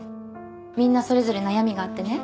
みんなそれぞれ悩みがあってね。